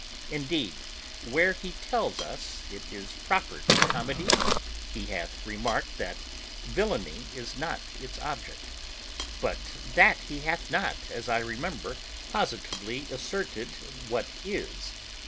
Indeed, where he tells us it is proper to comedy, he hath remarked that villany is not its object: but he hath not, as I remember, positively asserted what is.